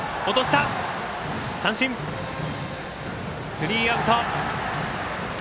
スリーアウト。